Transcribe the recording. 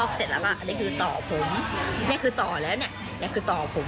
เพราะว่าใครจะพกเงินแสนไปทำผม